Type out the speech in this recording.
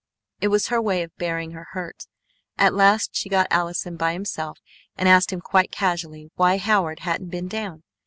It was her way of bearing her hurt. At last she got Allison by himself and asked him quite casually why Howard hadn't been down.